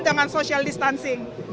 dengan social distancing